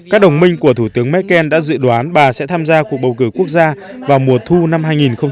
các đồng minh của thủ tướng merkel đã dự đoán bà sẽ tham gia cuộc bầu cử quốc gia vào mùa thu năm hai nghìn một mươi chín